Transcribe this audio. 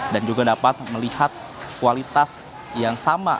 dan juga dapat melihat kualitas yang sama